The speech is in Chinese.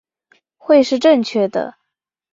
会是正确的